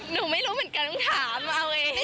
หนูไม่รู้เหมือนกันถามเอาไง